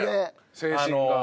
精神が。